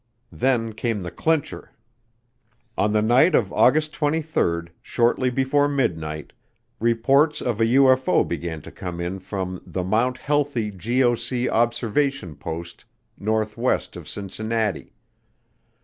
Then came the clincher. On the night of August 23rd, shortly before midnight, reports of a UFO began to come in from the Mt. Healthy GOC observation post northwest of Cincinnati.